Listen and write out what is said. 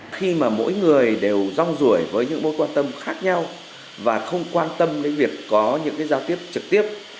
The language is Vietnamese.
khi mà mỗi người đều rong rủi với những mối quan tâm khác nhau và không quan tâm đến việc có những giao tiếp trực tiếp